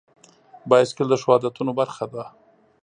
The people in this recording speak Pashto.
بایسکل د ښو عادتونو برخه ده.